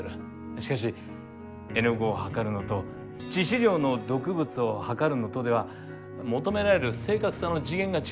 しかし絵の具を量るのと致死量の毒物を量るのとでは求められる正確さの次元が違う。